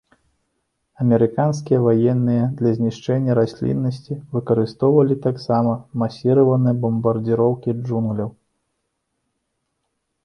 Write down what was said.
Амерыканскія ваенныя для знішчэння расліннасці выкарыстоўвалі таксама масіраваныя бамбардзіроўкі джунгляў.